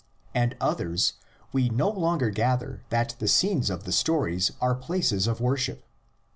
and others, we no longer gather that the scenes of the stories are places of worship.